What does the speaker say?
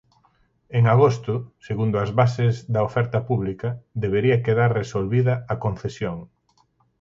En agosto, segundo as bases da oferta pública, debería quedar resolvida a concesión.